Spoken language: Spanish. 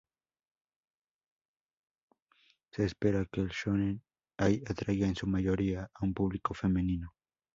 Se espera que el shōnen-ai atraiga, en su mayoría, a un público femenino.